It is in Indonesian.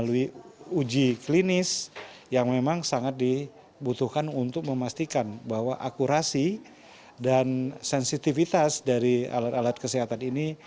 melalui uji klinis yang memang sangat dibutuhkan untuk memastikan bahwa akurasi dan sensitivitas dari alat alat kesehatan ini